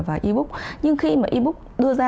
và e book nhưng khi mà e book đưa ra